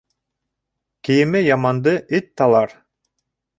Кейеме яманды эт талар.